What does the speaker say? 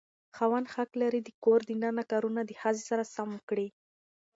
خاوند حق لري د کور دننه کارونه د ښځې سره سم کړي.